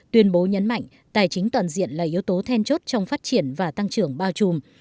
tuyên bố nhấn mạnh tài chính toàn diện là yếu tố then chốt trong phát triển và tăng trưởng bao trùm